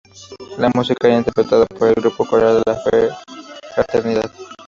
La música era interpretada por el grupo coral La Fraternidad.